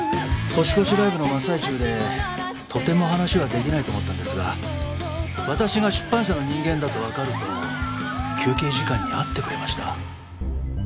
年越しライブの真っ最中でとても話は出来ないと思ったんですが私が出版社の人間だとわかると休憩時間に会ってくれました。